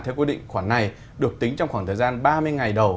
theo quy định khoản này được tính trong khoảng thời gian ba mươi ngày đầu